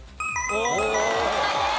正解です。